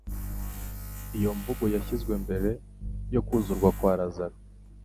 Iyo mvugo yashyizwe mbere yo kuzurwa kwa Lazaro